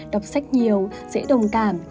đọc sách nhiều dễ đồng cảm